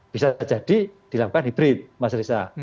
bisa jadi dilakukan hibrid mas rissa